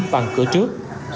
bằng cửa trước